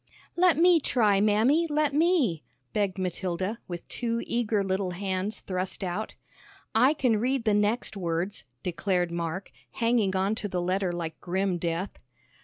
"Let me try, Mammy, let me," begged Matilda, with two eager little hands thrust out. "I can read the next words," declared Mark, hanging on to the letter like grim death.